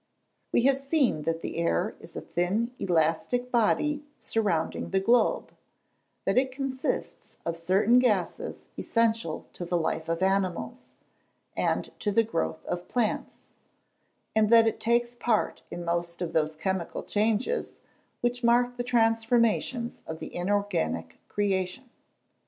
] We have seen that the air is a thin elastic body surrounding the globe; that it consists of certain gases essential to the life of animals, and to the growth of plants; and that it takes part in most of those chemical changes, which mark the transformations of the inorganic creation.